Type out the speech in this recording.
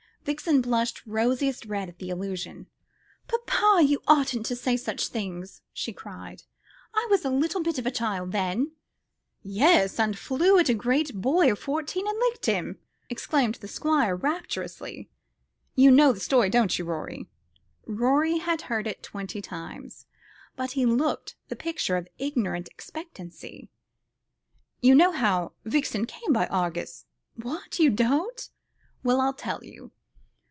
Vixen blushed rosiest red at the allusion. "Papa, you oughtn't to say such things," she cried; "I was a little bit of a child then." "Yes, and flew at a great boy of fourteen and licked him," exclaimed the Squire, rapturously. "You know the story, don't you, Rorie?" Rorie had heard it twenty times, but looked the picture of ignorant expectancy. "You know how Vixen came by Argus? What, you don't? Well, I'll tell you.